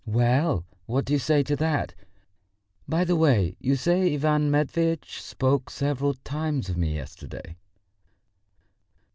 Well, what do you say to that? By the way, you say Ivan Matveitch spoke several times of me yesterday?"